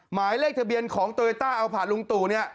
หมายเลขทะเบียนของโตโยต้าอัลพาร์ตลุงตู่